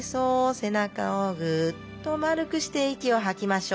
背中をグッと丸くして息を吐きましょう。